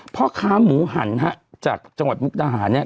พ่อค้าหมูหันฮะจากจังหวัดมุกดาหารเนี่ย